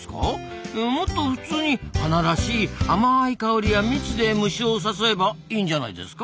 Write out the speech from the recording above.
もっと普通に花らしい甘い香りや蜜で虫を誘えばいいんじゃないですか？